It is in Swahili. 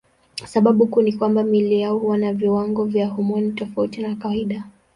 Sababu kuu ni kwamba miili yao huwa na viwango vya homoni tofauti na kawaida.